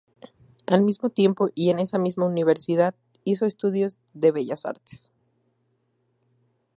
Al mismo tiempo y en esa misma universidad, hizo estudios de bellas artes.